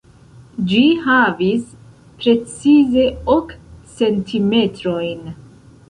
Ĝi havis precize ok centimetrojn!